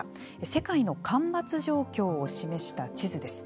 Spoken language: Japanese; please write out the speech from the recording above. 世界の干ばつ状況を示した地図です。